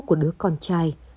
của đứa con trai